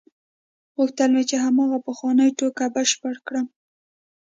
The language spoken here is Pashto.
غوښتل مې چې هماغه پخوانۍ ټوکه بشپړه کړم.